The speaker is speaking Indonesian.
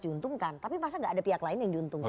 diuntungkan tapi masa gak ada pihak lain yang diuntungkan